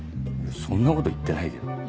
そんなこと言ってないけど。